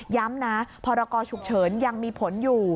ย้ำนะพรกรฉุกเฉินยังมีผลอยู่